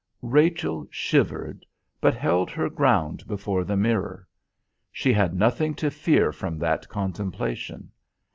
Rachel shivered, but held her ground before the mirror. She had nothing to fear from that contemplation.